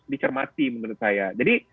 dicermati menurut saya jadi